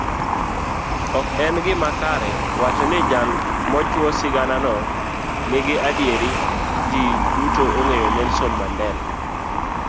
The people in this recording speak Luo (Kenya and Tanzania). Ok en gima kare wacho nijal mochuo sigananonigi adierni ji dutoong'eyo Nelson Mandela.